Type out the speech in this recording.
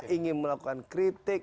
ingin melakukan kritik